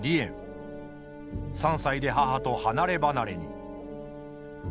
３歳で母と離れ離れに。